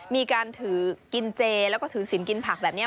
มีการถือกินเจแล้วก็ถือสินกินผักแบบนี้